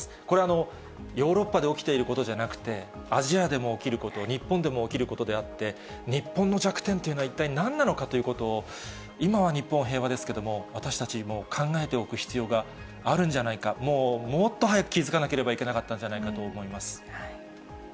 これ、ヨーロッパで起きていることじゃなくて、アジアでも起きること、日本でも起きることであって、日本の弱点というのは、一体なんなのかということを、今は日本、平和ですけれども、私たち、もう考えていく必要があるんじゃないか、もっと早く気付かなければいけなかったんじゃないかと思います。